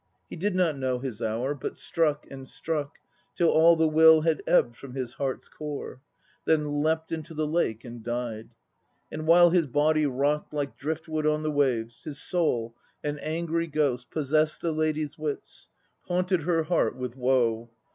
He did not know his hour, but struck and struck Till all the will had ebbed from his heart's core; Then leapt into the lake and died. And while his body rocked Like driftwood on the waves, His soul, an angry ghost, Possessed the lady's wits, haunted her heart with woe.